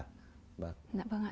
dạ vâng ạ